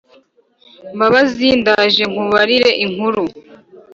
mbabazi , ndaje nkubarire inkuru